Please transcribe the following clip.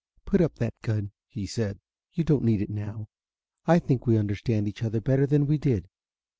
"Put up that gun," he said: "you don't need it now. I think we understand each other better than we did."